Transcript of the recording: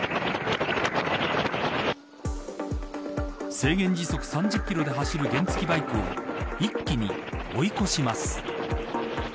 制限時速３０キロで走る原付バイクを一気に追い越します。